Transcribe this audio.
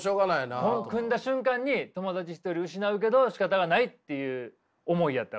コンビ組んだ瞬間に友達一人失うけどしかたがないっていう思いやったから。